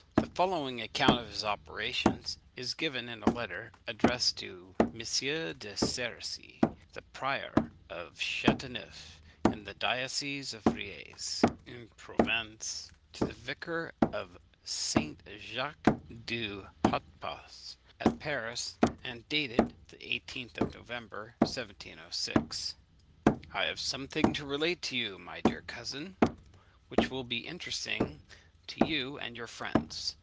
The following account of his operations is given in a letter addressed by M. de Cerisy, the Prior of Châteauneuf, in the Diocese of Riez, in Provence, to the Vicar of St. Jacques du Hautpas, at Paris, and dated the 18th of November, 1706: "I have something to relate to you, my dear cousin, which will be interesting to you and your friends.